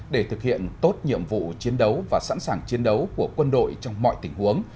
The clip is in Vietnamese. để thực hiện tốt nhiệm vụ chiến đấu và sẵn sàng chiến đấu của quân đội trong mọi tình huống